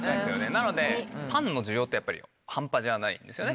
なのでパンの需要ってやっぱり半端じゃないんですよね。